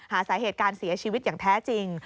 หาสาเหตุการเสียชีวิตอย่างแท้จริง